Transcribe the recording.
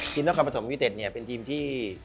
ทีมนอกการผสมวิเตศเป็นทีมที่